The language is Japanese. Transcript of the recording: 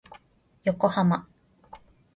横浜